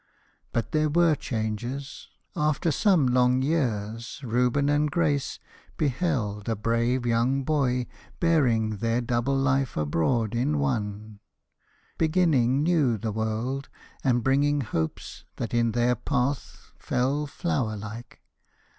But there were changes: after some long years Reuben and Grace beheld a brave young boy Bearing their double life abroad in one Beginning new the world, and bringing hopes That in their path fell flower like.